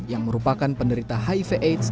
yang merupakan penderita hiv aids